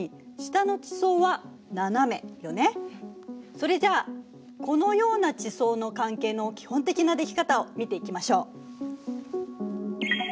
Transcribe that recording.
それじゃあこのような地層の関係の基本的なでき方を見ていきましょう。